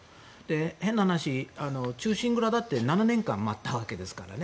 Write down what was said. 変な話、忠臣蔵だって７年間、待ったわけですからね。